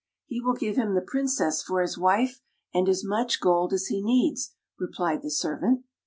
" He will give him the Princess for his wife, and as much gold as he needs," replied the servant.